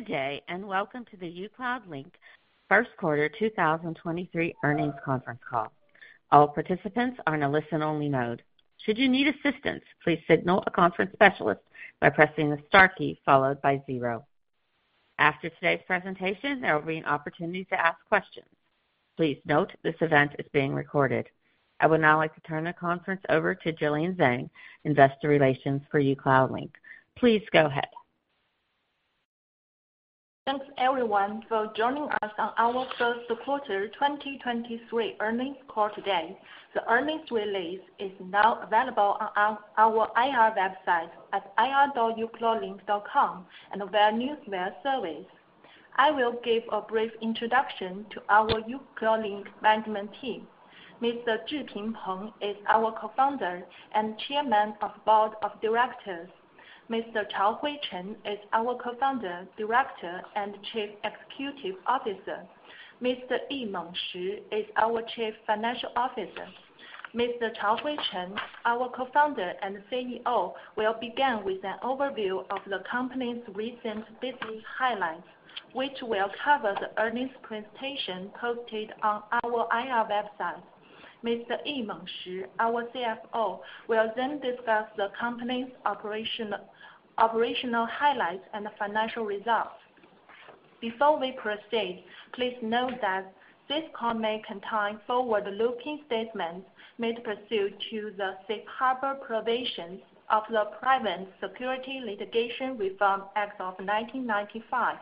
Good day, welcome to the uCloudlink Q1 2023 Earnings Conference Call. All participants are in a listen-only mode. Should you need assistance, please signal a conference specialist by pressing the star key followed by zero. After today's presentation, there will be an opportunity to ask questions. Please note this event is being recorded. I would now like to turn the conference over to Jillian Zeng, investor relations for uCloudlink. Please go ahead. Thanks, everyone, for joining us on our Q1 2023 earnings call today. The earnings release is now available on our IR website at ir.ucloudlink.com and via newsletter service. I will give a brief introduction to our uCloudlink management team. Mr. Zhiping Peng is our Co-Founder and Chairman of the Board of Directors. Mr. Chaohui Chen is our Co-Founder, Director, and Chief Executive Officer. Mr. Yimeng Shi is our Chief Financial Officer. Mr. Chaohui Chen, our Co-Founder and CEO, will begin with an overview of the company's recent business highlights, which will cover the earnings presentation posted on our IR website. Mr. Yimeng Shi, our CFO, will then discuss the company's operational highlights and financial results. Before we proceed, please note that this call may contain forward-looking statements made pursuant to the safe harbor provisions of the Private Securities Litigation Reform Act of 1995.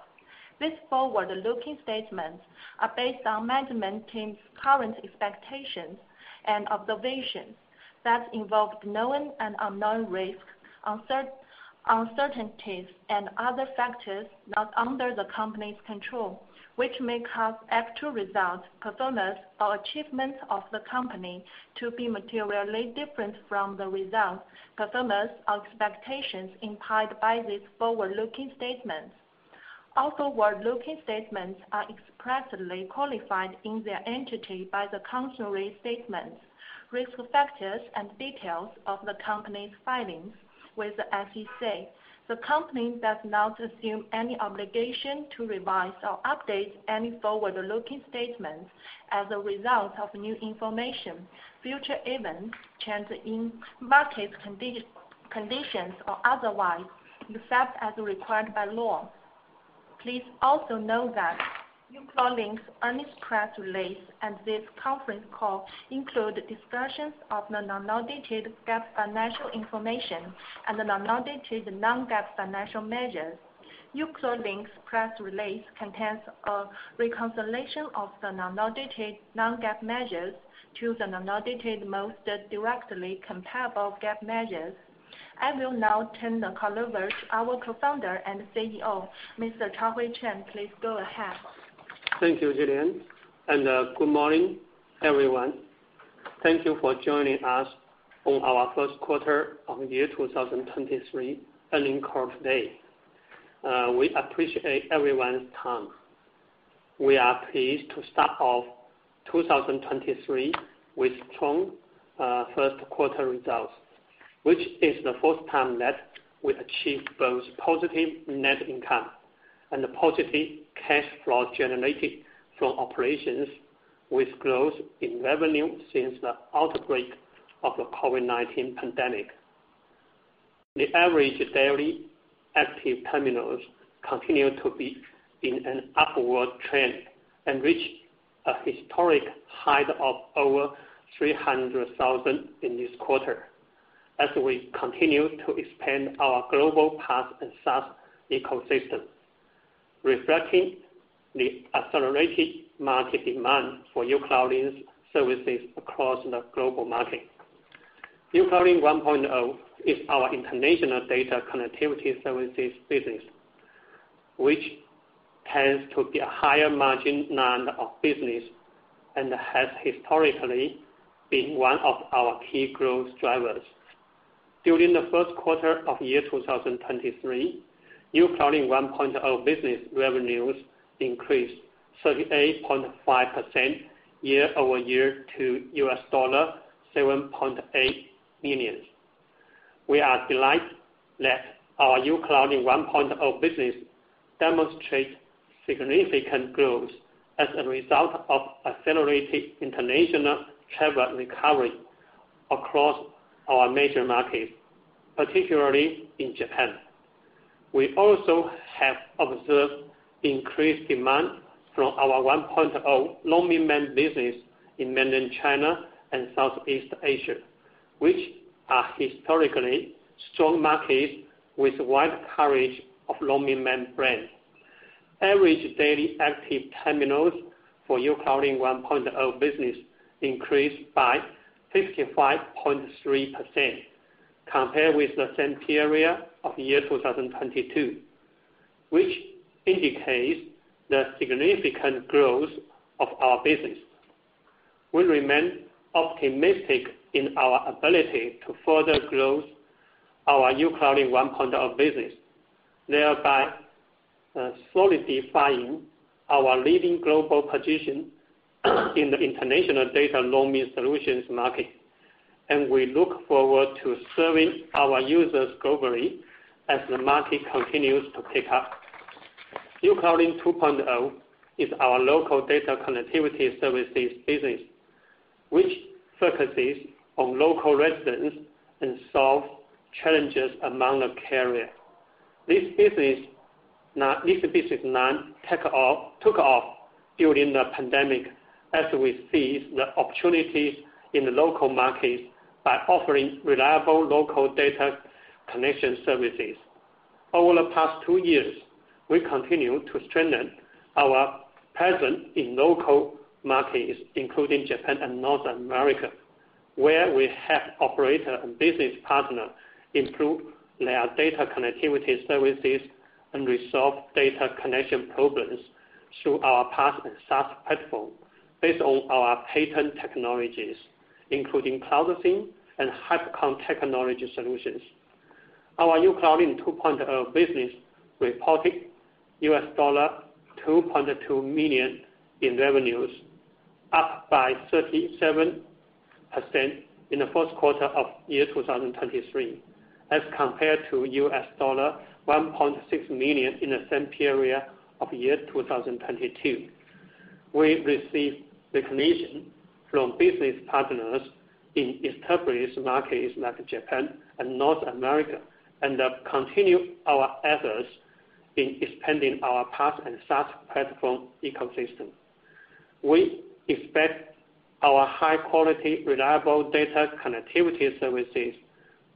These forward-looking statements are based on management team's current expectations and observations that involve known and unknown risks, uncertainties, and other factors not under the company's control, which may cause actual results, performance, or achievements of the company to be materially different from the results, performance, or expectations implied by these forward-looking statements. All forward-looking statements are expressly qualified in their entirety by the cautionary statements, risk factors, and details of the company's filings with the SEC. The company does not assume any obligation to revise or update any forward-looking statements as a result of new information, future events, trends in market conditions, or otherwise, except as required by law. Please also note that uCloudlink's earnings press release and this conference call include discussions of the unaudited GAAP financial information and the unaudited non-GAAP financial measures. uCloudlink's press release contains a reconciliation of the unaudited non-GAAP measures to the unaudited most directly comparable GAAP measures. I will now turn the call over to our Co-Founder and CEO, Mr. Chaohui Chen. Please go ahead. Thank you, Jillian, good morning, everyone. Thank you for joining us on our Q1 of 2023 earnings call today. We appreciate everyone's time. We are pleased to start off 2023 with strong Q1 results, which is the first time that we achieved both positive net income and positive cash flow generated from operations with growth in revenue since the outbreak of the COVID-19 pandemic. The average daily active terminals continue to be in an upward trend and reach a historic high of over 300,000 in this quarter as we continue to expand our global PaaS and SaaS ecosystem, reflecting the accelerated market demand for uCloudlink's services across the global market. uCloudlink 1.0 is our international data connectivity services business, which tends to be a higher margin line of business and has historically been one of our key growth drivers. During the Q1 of 2023, uCloudlink 1.0 business revenues increased 38.5% year-over-year to $7.8 million. We are delighted that our uCloudlink 1.0 business demonstrate significant growth as a result of accelerated international travel recovery across our major markets, particularly in Japan. We also have observed increased demand from our 1.0 RoamingMan business in Mainland China and Southeast Asia, which are historically strong markets with wide coverage of RoamingMan brand. Average daily active terminals for uCloudlink 1.0 business increased by 55.3% compared with the same period of 2022, which indicates the significant growth of our business. We remain optimistic in our ability to further grow our uCloudlink 1.0 business, thereby solidifying our leading global position in the international data roaming solutions market. We look forward to serving our users globally as the market continues to pick up. uCloudlink 2.0 is our local data connectivity services business, which focuses on local residents and solve challenges among the carrier. This business line took off during the pandemic as we seized the opportunities in the local markets by offering reliable local data connection services. Over the past two years, we continue to strengthen our presence in local markets, including Japan and North America, where we help operator and business partner improve their data connectivity services and resolve data connection problems through our PaaS and SaaS platform based on our patent technologies, including Cloud SIM and HyperConn technology solutions. Our uCloudlink 2.0 business reported $2.2 million in revenues, up by 37% in the Q1 of 2023, as compared to $1.6 million in the same period of 2022. We received recognition from business partners in established markets like Japan and North America, and continue our efforts in expanding our PaaS and SaaS platform ecosystem. We expect our high-quality, reliable data connectivity services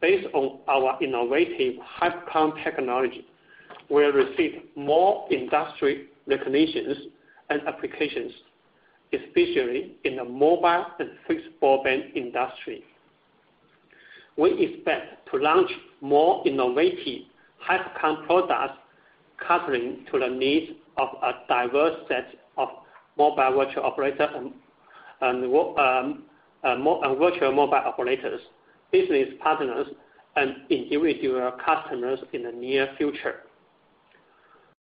based on our innovative HyperConn technology will receive more industry recognitions and applications, especially in the mobile and fixed broadband industry. We expect to launch more innovative HyperConn products catering to the needs of a diverse set of mobile virtual operator and virtual mobile operators, business partners, and individual customers in the near future.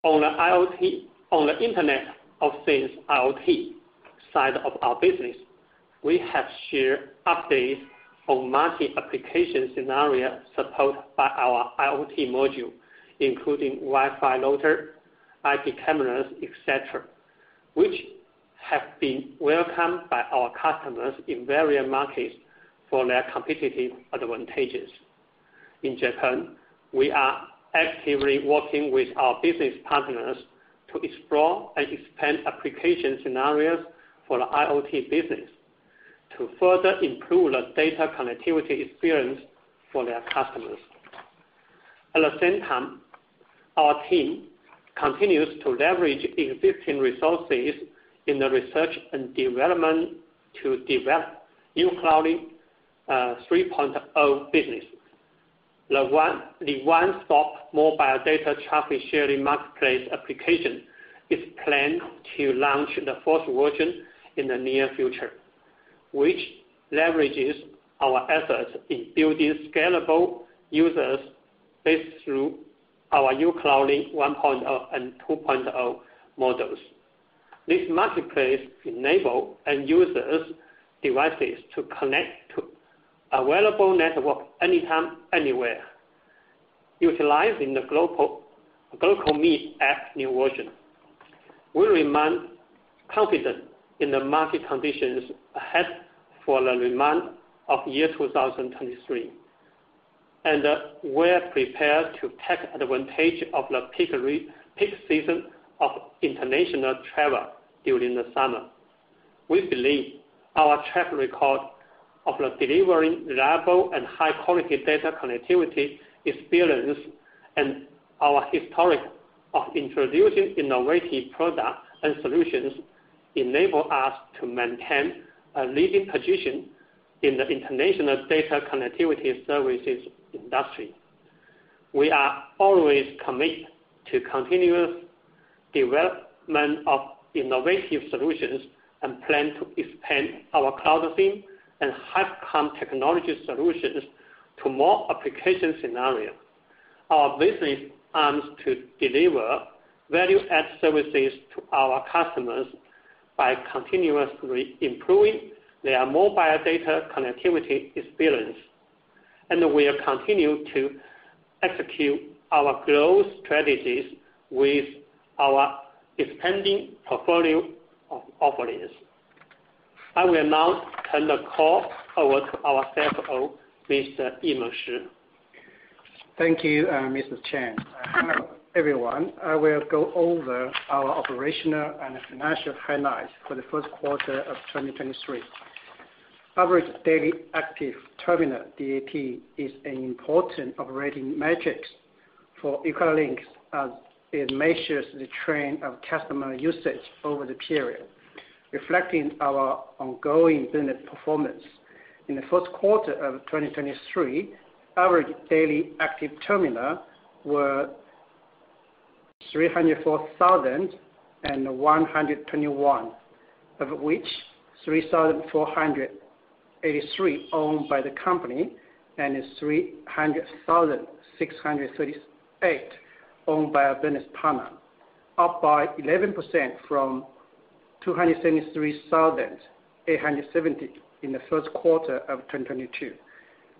On the Internet of Things, IoT side of our business, we have shared updates on multi-application scenario support by our IoT module, including Wi-Fi router, IP cameras, et cetera, which have been welcomed by our customers in various markets for their competitive advantages. In Japan, we are actively working with our business partners to explore and expand application scenarios for the IoT business to further improve the data connectivity experience for their customers. At the same time, our team continues to leverage existing resources in the research and development to develop uCloudlink 3.0 business. The one-stop mobile data traffic sharing marketplace application is planned to launch the first version in the near future, which leverages our efforts in building scalable users based through our uCloudlink 1.0 and 2.0 models. This marketplace enable end users devices to connect to available network anytime, anywhere, utilizing the GlocalMe app new version. We remain confident in the market conditions ahead for the remainder of year 2023, and we're prepared to take advantage of the peak season of international travel during the summer. We believe our track record of delivering reliable and high-quality data connectivity experience and our history of introducing innovative products and solutions enable us to maintain a leading position in the international data connectivity services industry. We are always committed to continuous development of innovative solutions and plan to expand our Cloud SIM and HyperConn technology solutions to more application scenarios. Our business aims to deliver value-add services to our customers by continuously improving their mobile data connectivity experience. We'll continue to execute our growth strategies with our expanding portfolio of offerings. I will now turn the call over to our CFO, Mr. Yimeng Shi. Thank you, Mr. Chen. Hello, everyone. I will go over our operational and financial highlights for the Q1 of 2023. Average Daily Active Terminal, DAT, is an important operating metric for uCloudlink as it measures the trend of customer usage over the period, reflecting our ongoing business performance. In the Q1 of 2023, average daily active terminal were 304,121, of which 3,483 owned by the company and 300,638 owned by our business partner, up by 11% from 273,870 in the Q1 of 2022.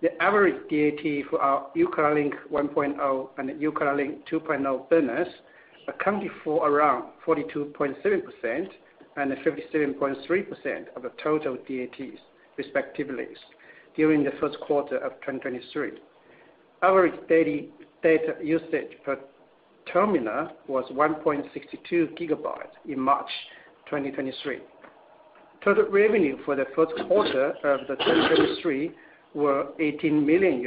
The average DAT for our uCloudlink 1.0 and uCloudlink 2.0 business accounted for around 42.7% and 57.3% of the total DATs respectively during the Q1 of 2023. Average daily data usage per terminal was 1.62 GB in March 2023. Total revenue for the Q1 of 2023 were $18 million,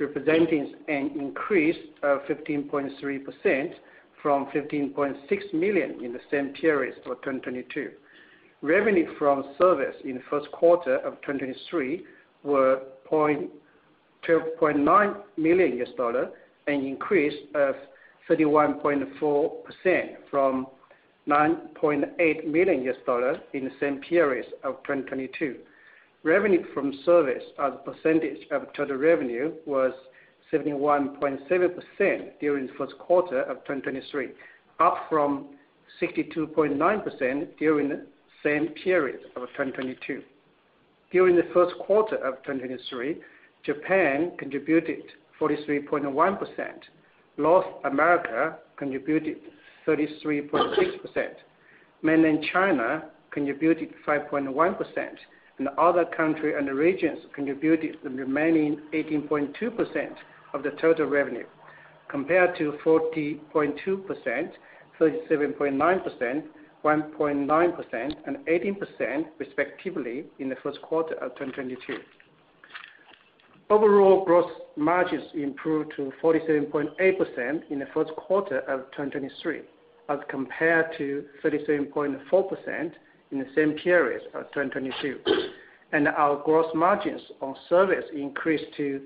representing an increase of 15.3% from $15.6 million in the same period for 2022. Revenue from service in the Q1 of 2023 were $12.9 million, an increase of 31.4% from $9.8 million in the same period of 2022. Revenue from service as a percentage of total revenue was 71.7% during the Q1 of 2023, up from 62.9% during the same period of 2022. During the Q1 of 2023, Japan contributed 43.1%, North America contributed 33.6%, Mainland China contributed 5.1%, and other country and regions contributed the remaining 18.2% of the total revenue, compared to 40.2%, 37.9%, 1.9%, and 18% respectively in the Q1 of 2022. Overall gross margins improved to 47.8% in the Q1 of 2023, as compared to 37.4% in the same period of 2022. Our gross margins on service increased to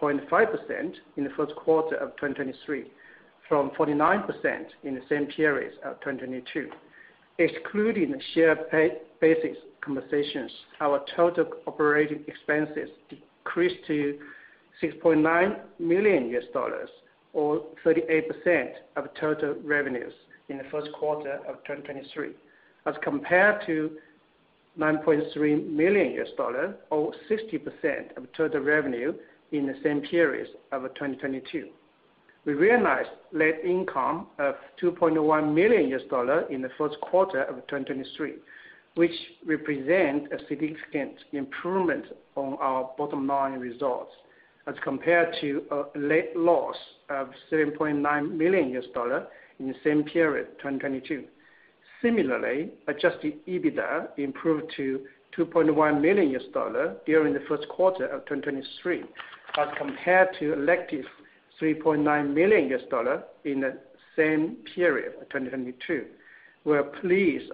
60.5% in the Q1 of 2023, from 49% in the same period of 2022. Excluding basics compensations, our total operating expenses decreased to $6.9 million, or 38% of total revenues in the Q1 of 2023, as compared to $9.3 million or 60% of total revenue in the same period of 2022. We realized net income of $2.1 million in the Q1 of 2023, which represent a significant improvement on our bottom line results as compared to a net loss of $7.9 million in the same period, 2022. Similarly, adjusted EBITDA improved to $2.1 million during the Q1 of 2023, as compared to effective $3.9 million in the same period of 2022. We're pleased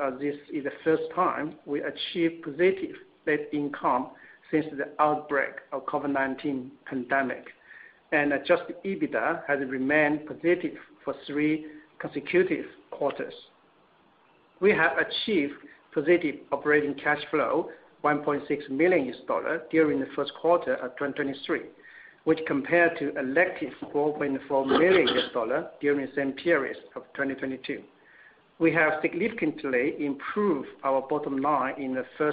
as this is the first time we achieved positive net income since the outbreak of COVID-19 pandemic. Adjusted EBITDA has remained positive for three consecutive quarters. We have achieved positive operating cash flow, $1.6 million during the Q1 of 2023, which compared to effective $4.4 million during the same period of 2022. We have significantly improved our bottom line in the Q1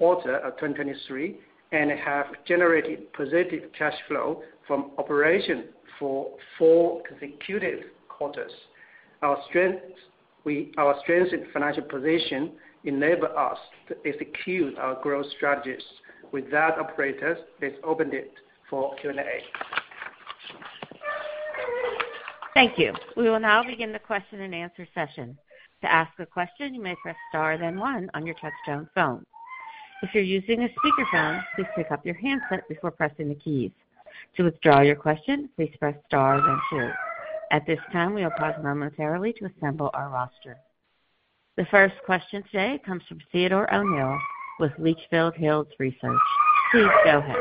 of 2023 and have generated positive cash flow from operation for four consecutive quarters. Our strengths and financial position enable us to execute our growth strategies. With that operators, let's open it for Q&A. Thank you. We will now begin the question and answer session. To ask a question, you may press star then one on your touchtone phone. If you're using a speakerphone, please pick up your handset before pressing the keys. To withdraw your question, please press star then two. At this time, we will pause momentarily to assemble our roster. The first question today comes from Theodore O'Neill with Litchfield Hills Research. Please go ahead.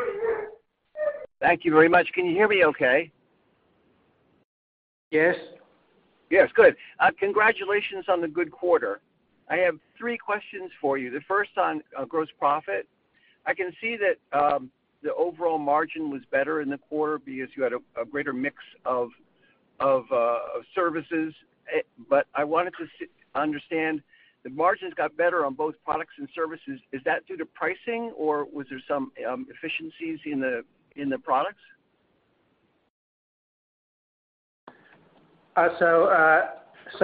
Thank you very much. Can you hear me okay? Yes. Yes. Good. Congratulations on the good quarter. I have three questions for you. The first on gross profit. I can see that the overall margin was better in the quarter because you had a greater mix of services. I wanted to understand, the margins got better on both products and services. Is that due to pricing or was there some efficiencies in the products?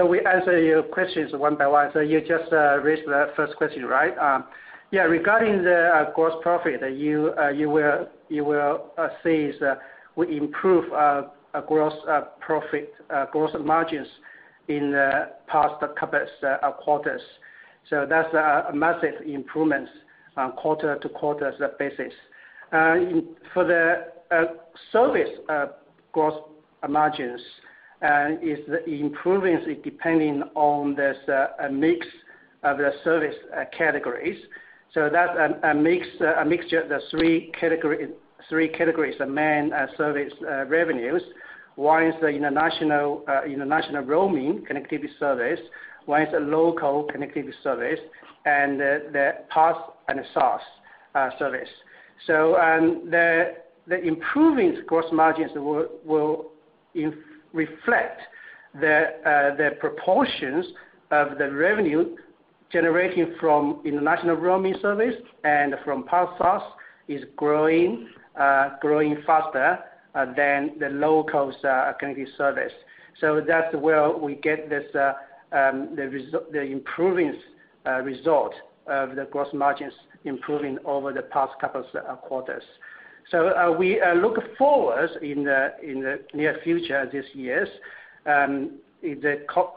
We answer your questions one by one. You just raised the first question, right? Yeah, regarding the gross profit, you will see that we improve gross profit gross margins in the past couple quarters. That's a massive improvements on quarter-over-quarter basis. For the service gross margins is improving depending on this mix of the service categories. That a mixture of the three categories of main service revenues. One is the international roaming connectivity service, one is a local connectivity service, and the PaaS and SaaS service. The improving gross margins will reflect the proportions of the revenue generating from international roaming service and from power source is growing faster than the locals connectivity service. That's where we get this the improving result of the gross margins improving over the past couple quarters. We look forward in the near future this years, because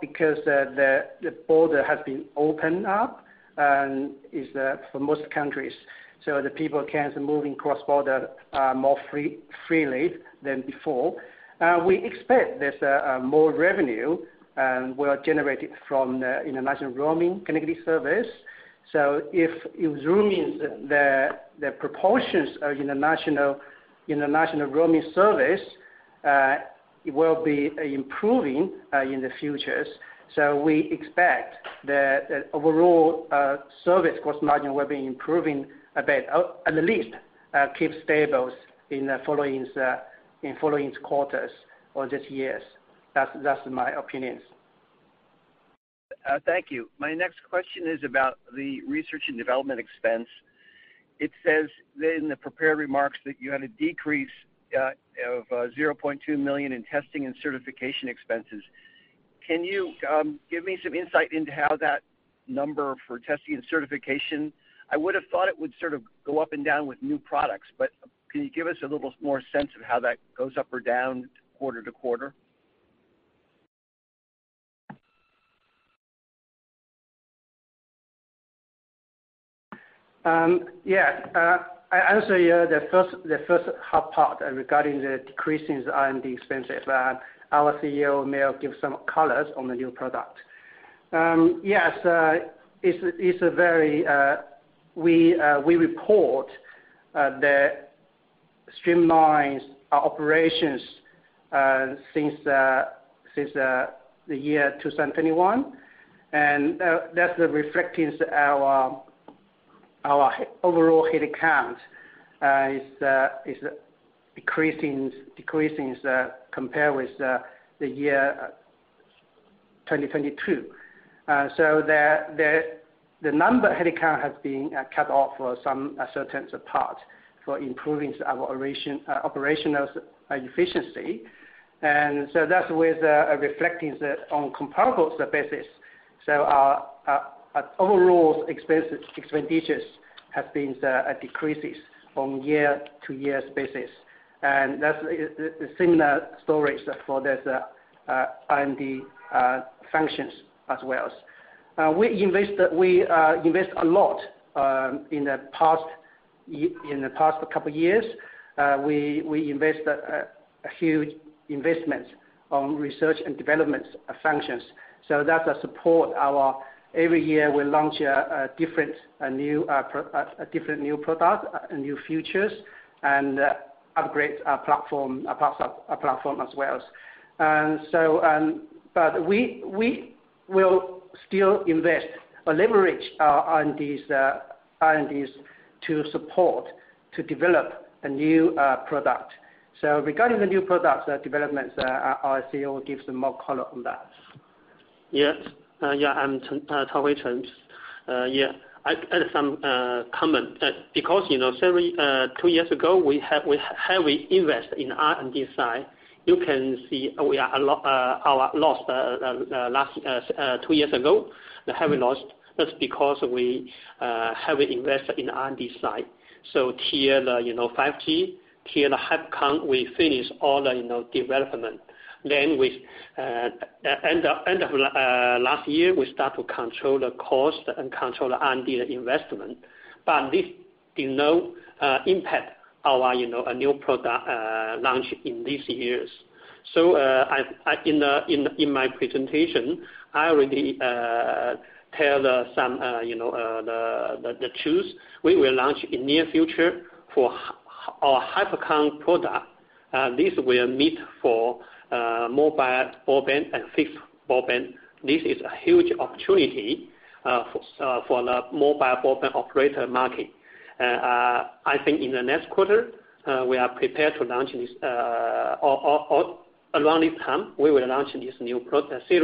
the border has been opened up and is for most countries, so the people can move in cross border more freely than before. We expect there's more revenue and were generated from the international roaming connectivity service. If it zoom in the proportions of international roaming service will be improving in the futures. We expect the overall service gross margin will be improving a bit, or at least, keep stable in following quarters or this year. That's my opinion. Thank you. My next question is about the research and development expense. It says that in the prepared remarks that you had a decrease of $0.2 million in testing and certification expenses. Can you give me some insight into how that number for testing and certification? I would have thought it would sort of go up and down with new products. Can you give us a little more sense of how that goes up or down quarter-to-quarter? I answer you the first half part regarding the decreases R&D expenses. Our CEO may give some colors on the new product. We report the streamlines our operations since the year 2021. That's reflecting our overall head count is decreasing as compare with the year 2022. The number head count has been cut off for some certain part for improving our operational efficiency. That's where the reflecting the on comparables basis. Our overalls expenses, expenditures have been decreases from year to year basis. That's a similar stories for this R&D functions as well. We invest a lot in the past couple years. We invest a huge investments on research and development functions. That support our every year, we launch a different new product, a new features, and upgrade our platform as well. But we will still invest or leverage our R&D's to support, to develop a new product. Regarding the new product developments, our CEO gives more color on that. I'm Chaohui Chen. I add some comment because, you know, several two years ago, we heavily invest in R&D side. You can see we are our loss last two years ago, the heavy lost, that's because we heavy invest in R&D side. Here, the, you know, 5G, here the HyperConn, we finish all the, you know, development. We end of last year, we start to control the cost and control R&D investment. This did not impact our, you know, a new product launch in these years. I in my presentation, I already tell some, you know, the choose. We will launch in near future for our HyperConn product. This will meet for mobile broadband and fixed broadband. This is a huge opportunity for for the mobile broadband operator market. I think in the next quarter, we are prepared to launch this around this time, we will launch this new product in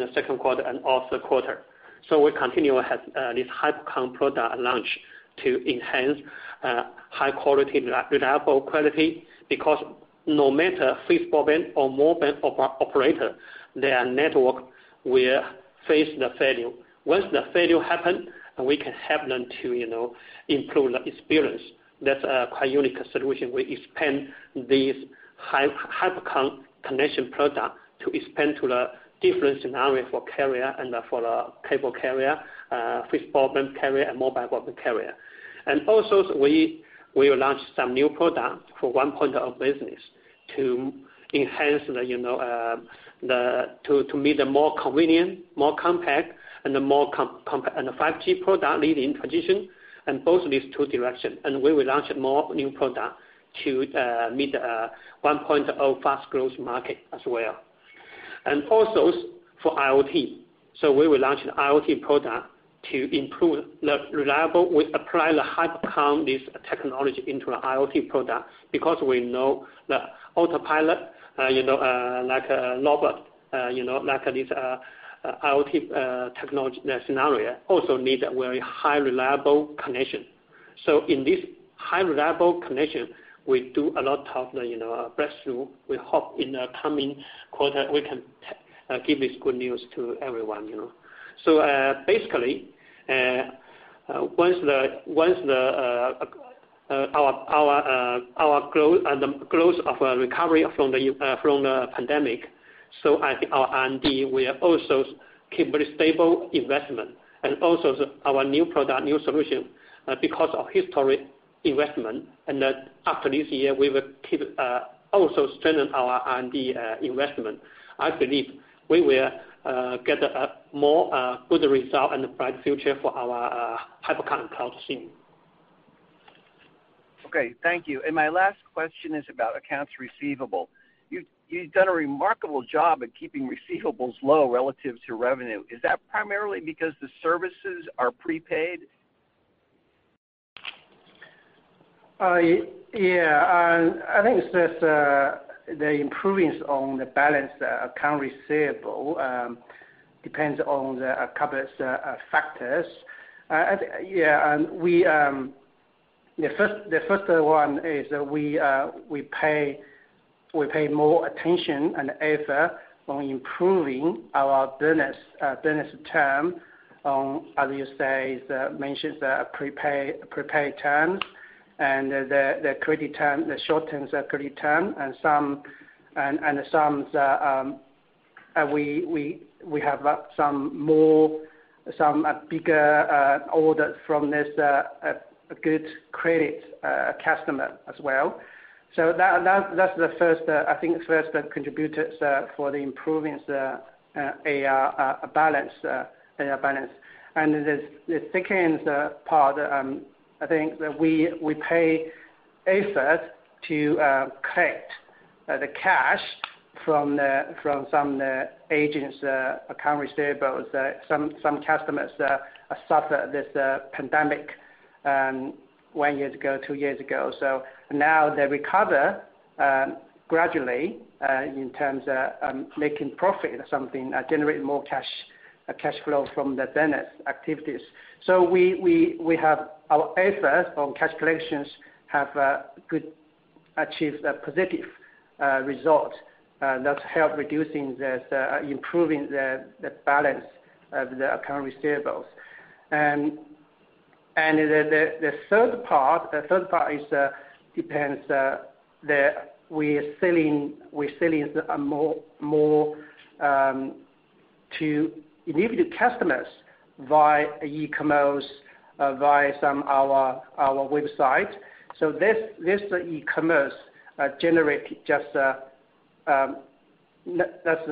the Q2 and off the quarter. We continue has this HyperConn product launch to enhance high quality, reliable quality because no matter fixed broadband or mobile broadband operator, their network will face the failure. Once the failure happen, we can help them to, you know, improve the experience. That's a quite unique solution. We expand this HyperConn connection product to expand to the different scenario for carrier and for the cable carrier, fixed broadband carrier, and mobile broadband carrier. We launch some new product for uCloudlink 1.0 business to enhance the, you know, to be the more convenient, more compact, and the 5G product leading transition and both these two direction. We will launch more new product to meet uCloudlink 1.0 fast growth market as well. For IoT. We will launch an IoT product to improve the. We apply the HyperConn, this technology into IoT product, because we know the autopilot, you know, like a robot, you know, like this IoT technology scenario also need a very high reliable connection. In this high reliable connection, we do a lot of the, you know, breakthrough. We hope in the coming quarter, we can give this good news to everyone, you know. Basically, once the our and the growth of recovery from the pandemic. I think our R&D will also keep very stable investment and also our new product, new solution, because of historic investment. That after this year, we will keep also strengthen our R&D investment. I believe we will get a more good result and a bright future for our HyperConn Cloud SIM. Okay. Thank you. My last question is about accounts receivable. You've done a remarkable job at keeping receivables low relative to revenue. Is that primarily because the services are prepaid? Yeah. I think it's just the improvements on the balance, the account receivable, depends on the couple of factors. We, the first one is we pay more attention and effort on improving our business term on, as you say, the mentions the prepay term and the credit term, the short-term credit term and some, we have some more, some bigger orders from this good credit customer as well. That's the first I think first contributors for the improvements, AR balance. The second part, I think that we pay effort to collect the cash from some agents account receivables. Some customers suffer this pandemic one year ago, two years ago. Now they recover gradually in terms of making profit or something, generate more cash flow from the business activities. We have our efforts on cash collections have good achieve a positive result that help reducing this, improving the balance of the account receivables. The third part is, depends, that we're selling more to individual customers via e-commerce, via some our website. This e-commerce generate just a, that's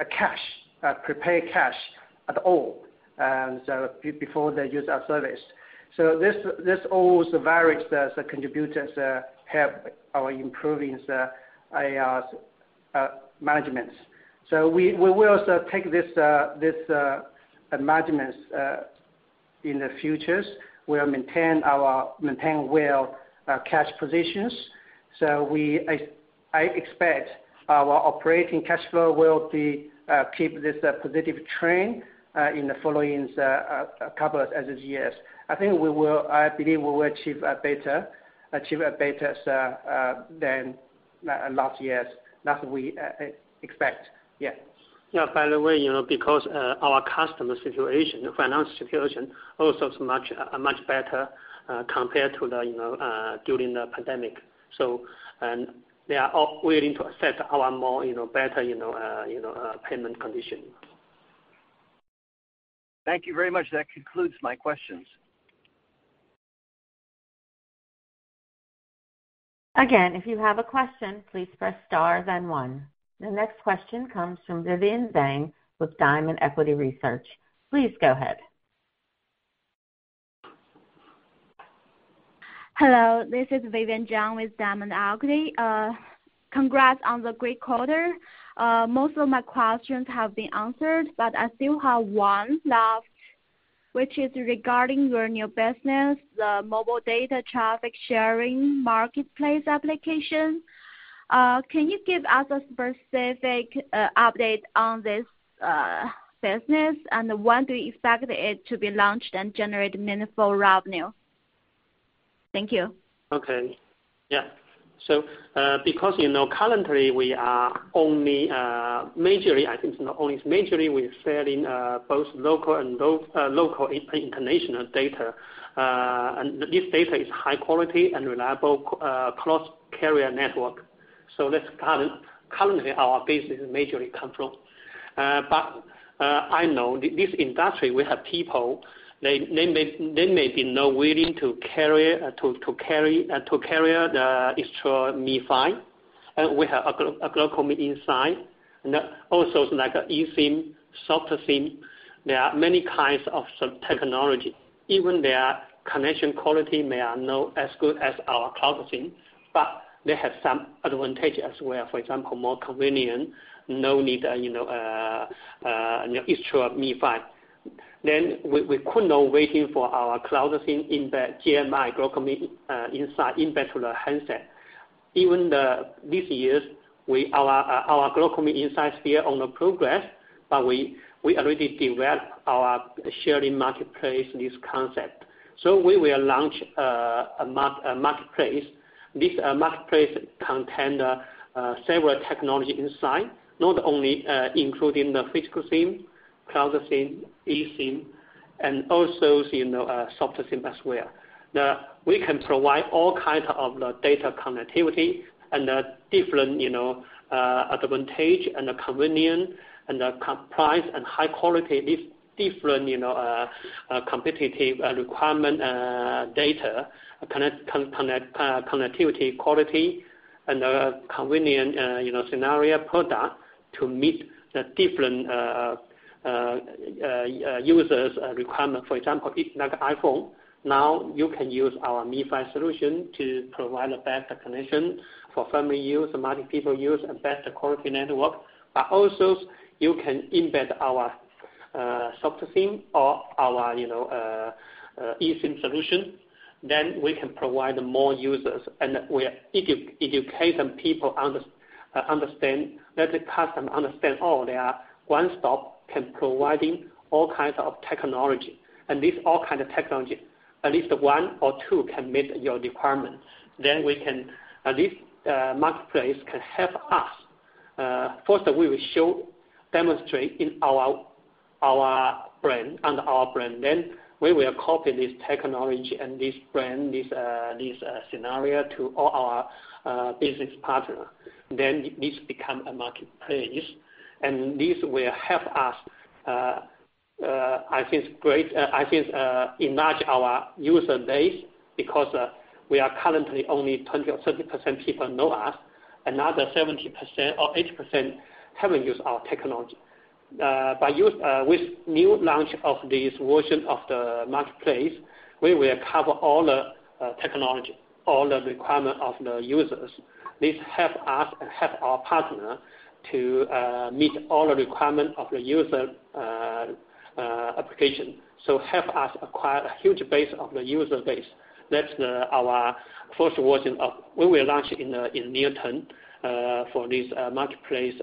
a cash, a prepay cash at all, and before they use our service. This all the various contributors help our improvements, AR managements. We will also take this management in the future. We'll maintain well our cash positions. I expect our operating cash flow will be keep this positive trend in the following couple of years. I think we will, I believe we will achieve a better than last year's. That we expect. Yeah. Yeah. By the way, you know, because our customer situation, the financial situation also is much, much better compared to the, you know, during the pandemic. They are all willing to accept our more, you know, better, you know, payment condition. Thank you very much. That concludes my questions. Again, if you have a question, please press star then one. The next question comes from Vivian Zhang with Diamond Equity Research. Please go ahead. Hello, this is Vivian Zhang with Diamond Equity. Congrats on the great quarter. Most of my questions have been answered, but I still have one left, which is regarding your new business, the mobile data traffic sharing marketplace application. Can you give us a specific update on this business and when do you expect it to be launched and generate meaningful revenue? Thank you. Okay. Yeah. Because, you know, currently we are only majorly, I think it's not only majorly, we're selling both local and both local international data. And this data is high quality and reliable cross-carrier network. That's currently our business majorly come from. I know this industry, we have people, they may, they may be not willing to carry the extra MiFi. We have a global eSIM that also is like a eSIM, software SIM. There are many kinds of sub-technology. Even their connection quality may are not as good as our Cloud SIM, but they have some advantage as well. For example, more convenient, no need, you know, you install a MiFi. We could now waiting for our Cloud SIM GMI GlocalMe Inside embedded to the handset. Even these years, our GlocalMe Inside still on the progress, but we already developed our sharing marketplace, this concept. We will launch a marketplace. This marketplace can contain several technology inside, not only including the physical SIM, Cloud SIM, eSIM, and also the software SIM as well. We can provide all kinds of the data connectivity and the different, you know, advantage, and the convenient, and the co-price, and high quality, different, you know, competitive requirement, data connectivity quality, and convenient, you know, scenario product to meet the different user's requirement. For example, if like iPhone, now you can use our MiFi solution to provide a better connection for family use, multiple people use, a better quality network. Also you can embed our software SIM or our, you know, eSIM solution. We can provide more users, and we educate some people understand, let the customer understand, oh, they are one stop can providing all kinds of technology. These all kind of technology, at least one or two can meet your requirement. We can... At least, marketplace can help us. First we will show, demonstrate in our brand, under our brand, we will copy this technology and this brand, this scenario to all our business partner. This become a marketplace, and this will help us enlarge our user base because we are currently only 20% or 30% people know us. Another 70% or 80% haven't used our technology. With new launch of this version of the marketplace, we will cover all the technology, all the requirement of the users. This help us and help our partner to meet all the requirement of the user application. Help us acquire a huge base of the user base. That's our first version of when we launch in near term for this marketplace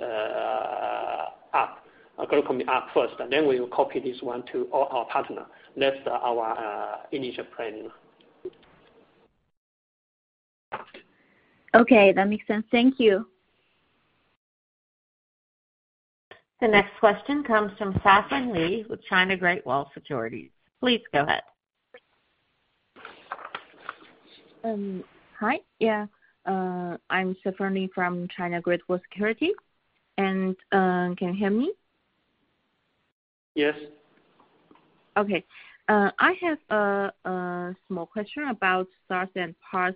app, GlocalMe app first, we'll copy this one to all our partner. That's our initial plan. Okay, that makes sense. Thank you. The next question comes from Safan Li with China Great Wall Securities. Please go ahead. Hi. I'm Safan Li from China Great Wall Securities. Can you hear me? Yes. Okay, I have a small question about SaaS and PaaS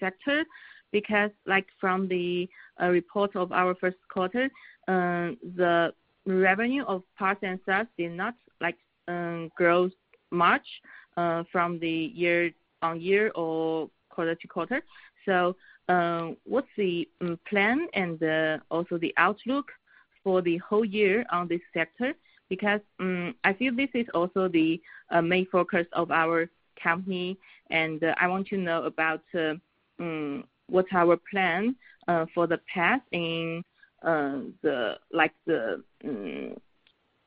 sector, because like from the report of our Q1, the revenue of PaaS and SaaS did not like grow much from the year-on-year or quarter-to-quarter. What's the plan and also the outlook for the whole year on this sector? I feel this is also the main focus of our company. I want to know about what's our plan for the PaaS in the, like, the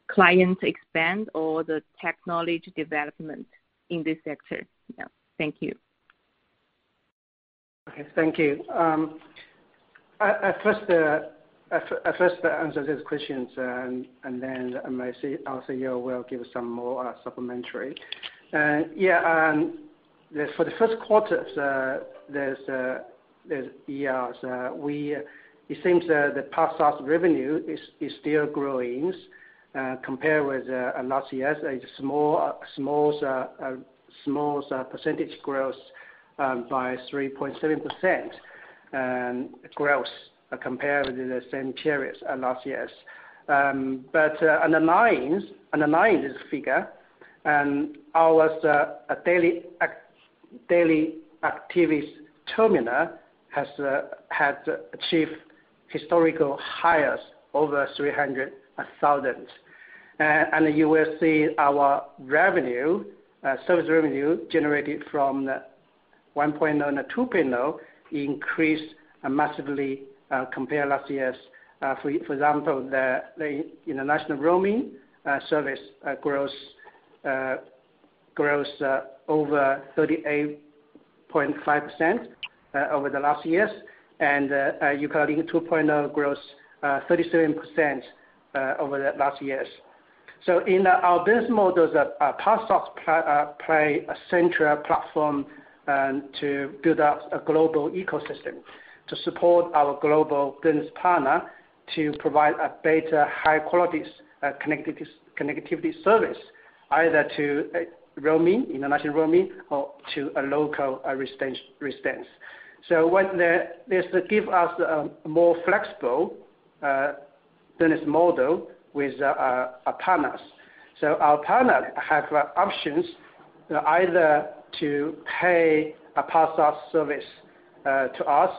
client expand or the technology development in this sector. Yeah. Thank you. Okay. Thank you. I first answer these questions. Then maybe our CEO will give some more supplementary. Yeah, for the Q1, there's, yeah, it seems the PaaS/SaaS revenue is still growing compared with last year's. A small percentage growth by 3.7% growth compared with the same period of last year's. Underlying, underlying this figure, our daily actives terminal has achieved historical highest over 300,000. You will see our revenue, service revenue generated from 1.0 and 2.0 increase massively compared to last year's. For example, the international roaming service gross over 38.5% over the last year's. uCloudlink 2.0 gross 37% over the last year's. In our business models, PaaS/SaaS play a central platform to build up a global ecosystem to support our global business partner to provide a better high quality connectivity service. Either to roaming, international roaming or to a local residence. This give us more flexible business model with our partners. Our partner have options either to pay a PaaS SaaS service to us,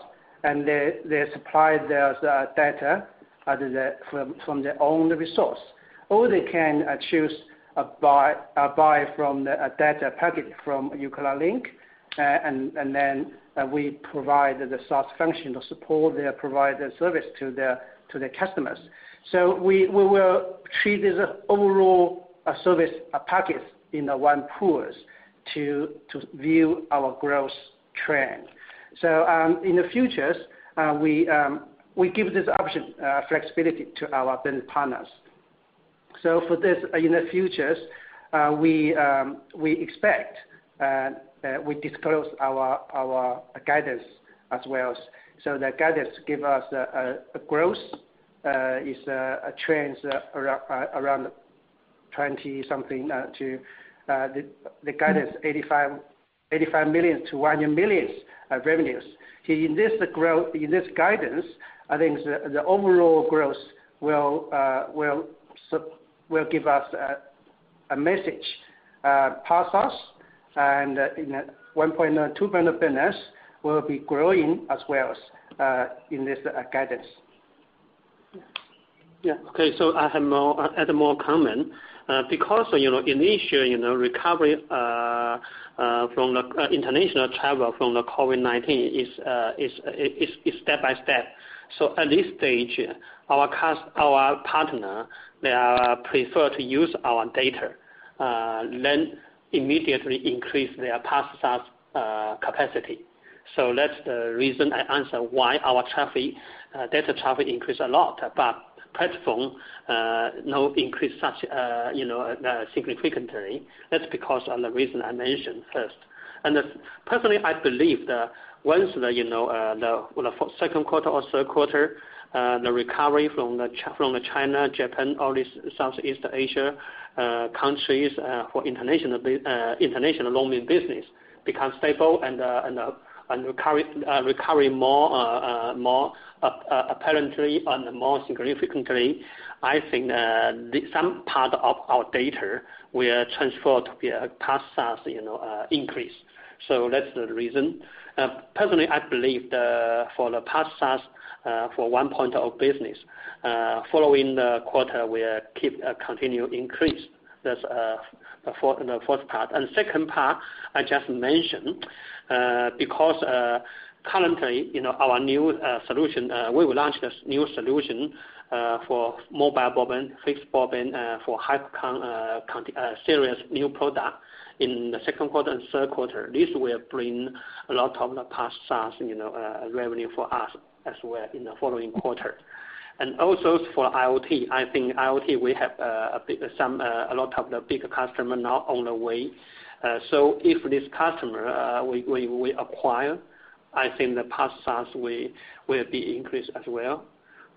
and they supply their data from their own resource. They can choose buy a data package from uCloudlink, and then we provide the SaaS function to support their provider service to their customers. We will treat this overall service package in the one pools to view our growth trend. In the futures, we give this option flexibility to our business partners. For this, in the futures, we expect we disclose our guidance as well. The guidance give us a growth is a trends around 20 something to the guidance $85 million-$100 million of revenues. In this guidance, I think the overall growth will give us a message, PaaS SaaS and in a $1.2 billion business will be growing as well in this guidance. Yeah. Okay. I have add more comment. Because, you know, initially, you know, recovery from the international travel from the COVID-19 is step-by-step. At this stage, our partner, they are prefer to use our data than immediately increase their PaaS SaaS capacity. That's the reason I answer why our traffic data traffic increased a lot. Platform no increase such, you know, significantly. That's because of the reason I mentioned first. Personally, I believe that once the, you know, the Q2 or third quarter, the recovery from the China, Japan, all these Southeast Asia countries for international roaming business become stable and recovery more, more apparently and more significantly. I think some part of our data will transfer to be a PaaS SaaS, you know, increase. That's the reason. Personally, I believe the, for the PaaS SaaS, for one point of business, following the quarter, we keep continue increase. That's the fourth part. Second part, I just mentioned, because currently, you know, our new solution, we will launch this new solution for mobile broadband, fixed broadband, for hyperConn series new product in the Q2 and third quarter. This will bring a lot of the PaaS SaaS, you know, revenue for us as well in the following quarter. Also for IoT. I think IoT, we have some, a lot of the bigger customer now on the way. If this customer we acquire, I think the PaaS SaaS will be increased as well.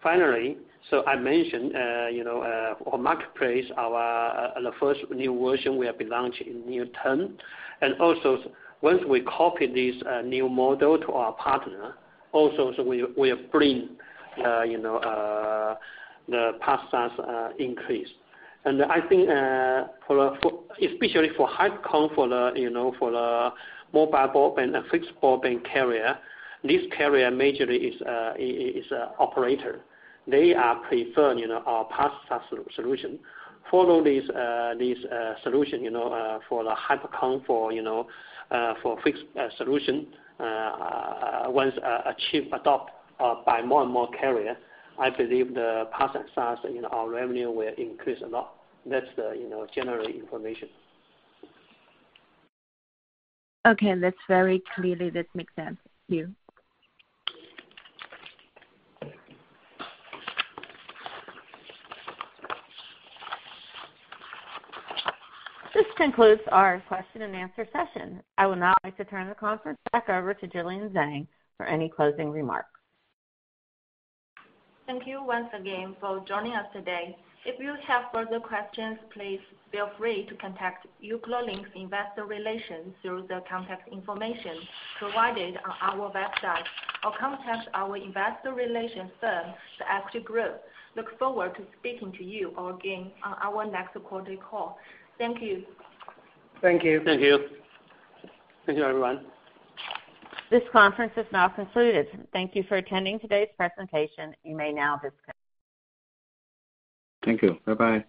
Finally, I mentioned, you know, for marketplace, our the first new version will be launching in near-term. Also, once we copy this new model to our partner, also we bring, you know, the PaaS SaaS increase. I think, especially for HyperConn for the, you know, mobile broadband and fixed broadband carrier, this carrier majorly is a operator. They are preferred, you know, our PaaS SaaS solution. Follow this solution, you know, for the HyperConn for, you know, for fixed, solution, once adopt, by more and more carrier, I believe the PaaS SaaS in our revenue will increase a lot. That's the, you know, general information. Okay. That's very clearly. That makes sense. Thank you. This concludes our question and answer session. I would now like to turn the conference back over to Jillian Zeng for any closing remarks. Thank you once again for joining us today. If you have further questions, please feel free to contact uCloudlink Investor Relations through the contact information provided on our website or contact our investor relations firm, The Equity Group. Look forward to speaking to you again on our next quarterly call. Thank you. Thank you. Thank you. Thank you, everyone. This conference is now concluded. Thank you for attending today's presentation. You may now disconnect. Thank you. Bye-bye.